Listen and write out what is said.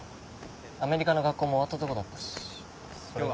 アメリカの学校も終わったとこだったしそれに。